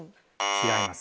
違います。